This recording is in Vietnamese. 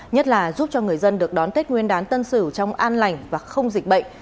nhất là giúp cho người dân được đón tết nguyên đán tân sửu trong an lành và không dịch bệnh